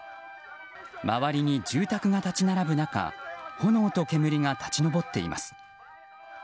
周りに住宅が立ち並ぶ中炎と煙が立ち上っています。